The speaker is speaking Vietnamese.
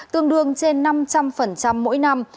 tương đương trên năm trăm linh mỗi năm